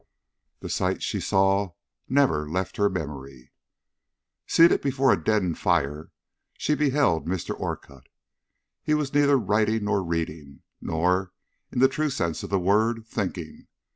The sight she saw never left her memory. Seated before a deadened fire, she beheld Mr. Orcutt. He was neither writing nor reading, nor, in the true sense of the word, thinking.